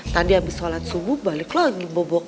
tadi habis sholat subuh balik lagi bobok